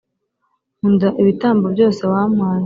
nkunda ibitambo byose wampaye